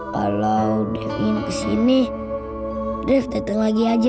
kalau dev ingin kesini dev datang lagi aja